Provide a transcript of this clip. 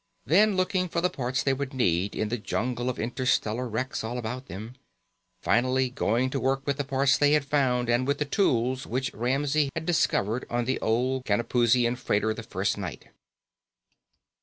Then, looking for the parts they would need in the jungle of interstellar wrecks all about them. Finally, going to work with the parts they had found and with the tools which Ramsey had discovered on the old Canopusian freighter the first night.